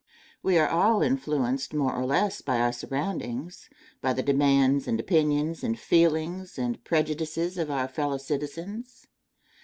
We are all influenced more or less by our surroundings, by the demands and opinions and feelings and prejudices of our fellow citizens.